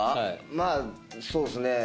まぁそうっすね